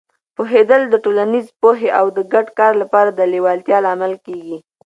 پوهېدل د ټولنیزې پوهې او د ګډ کار لپاره د لیوالتیا لامل کېږي.